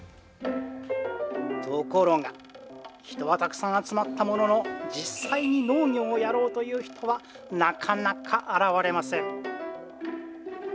ところが人はたくさん集まったものの実際に農業をやろうという人はなかなか現れません。